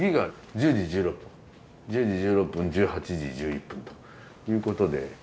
１０時１６分１８時１１分ということでまあ７８９１０。